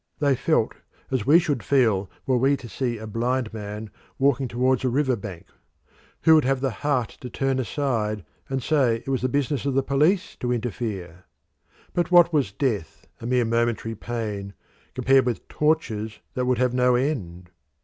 They felt as we should feel were we to see a blind man walking towards a river bank. Who would have the heart to turn aside and say it was the business of the police to interfere? But what was death, a mere momentary pain, compared with tortures that would have no end?